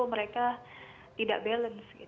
mereka tidak balance